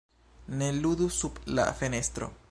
Ne ludu sub la fenestro!